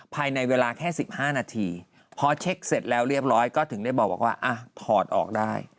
ภายในเวลาแค่๑๕นาทีพอเช็คเสร็จแล้วเรียบร้อยก็ถึงได้บอกว่าถอดออกได้